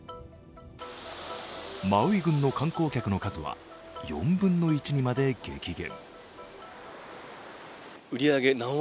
マウイ郡の観光客の数は４分の１にまで激減。